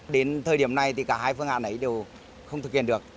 đến thời điểm này thì cả hai phương án ấy đều không thực hiện được